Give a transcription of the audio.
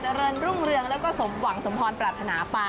เจริญลุ่มเรืองแล้วก็สมหวังสมภอนปรารถนาไป